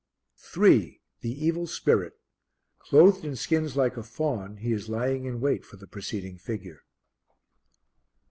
3. The Evil Spirit. Clothed in skins like a faun, he is lying in wait for the preceding figure.